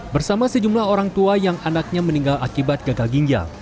bersama sejumlah orang tua yang anaknya meninggal akibat gagal ginjal